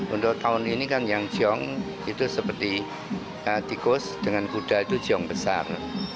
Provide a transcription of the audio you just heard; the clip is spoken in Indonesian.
untuk tahun ini kan yang ciong itu seperti tikus dengan kuda itu ciong besar